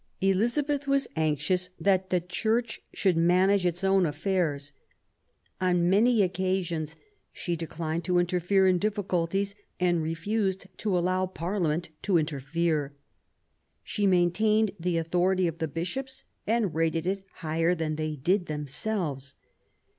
Elizabeth was anxious that the Church should manage its own affairs. On many occasions she declined to interfere in difficulties and refused to allow Parliament to interfere. She maintained the authority of the Bishops and rated it higher than they did them selves.